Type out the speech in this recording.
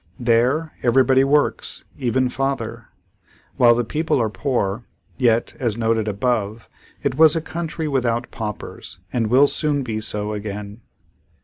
There, everybody works, even father. While the people are poor, yet, as noted above, it was a country without paupers and will soon be so again.